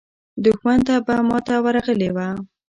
دښمن ته به ماته ورغلې وه.